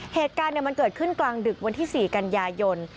เหตุการณ์มันเกิดขึ้นกลางดึกวันที่๔กันยายน